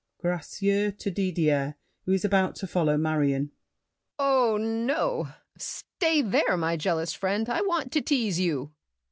GRACIEUX (to Didier, who is about to follow Marion). Oh, no! stay there, my jealous friend, I want to tease you! DIDIER.